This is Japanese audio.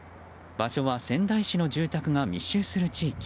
場所は仙台市の住宅が密集する地区。